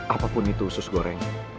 apapun itu usus goreng